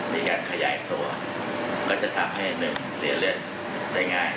มีการขยายตัวก็จะทำให้หนึ่งเสียเลือดได้ง่าย